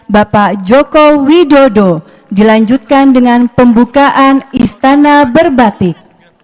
bapak joko widodo dilanjutkan dengan pembukaan istana berbatik